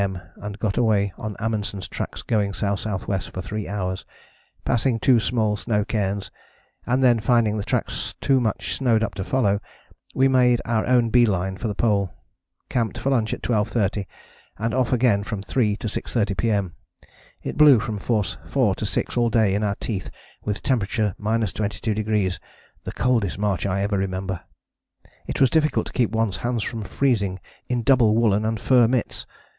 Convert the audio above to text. M. and got away on Amundsen's tracks going S.S.W. for three hours, passing two small snow cairns, and then, finding the tracks too much snowed up to follow, we made our own bee line for the Pole: camped for lunch at 12.30 and off again from 3 to 6.30 P.M. It blew from force 4 to 6 all day in our teeth with temperature 22°, the coldest march I ever remember. It was difficult to keep one's hands from freezing in double woollen and fur mitts.